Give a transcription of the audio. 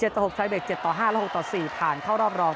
ต่อ๖ชายเบรก๗ต่อ๕และ๖ต่อ๔ผ่านเข้ารอบรอง